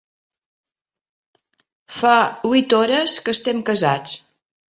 Fa huit hores que estem casats.